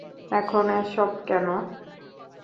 এখন এসব কেন!